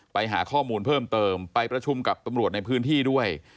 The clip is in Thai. ไปหาข้อมูลเพิ่มเติมไปประชุมกับตำรวจในพื้นที่ด้วย